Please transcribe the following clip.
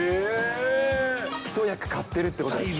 一役かってるってことですか？